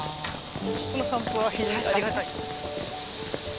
この散歩は非常にありがたい。